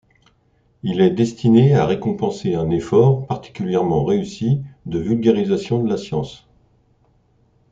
Il est destiné à récompenser un effort particulièrement réussi de vulgarisation de la science.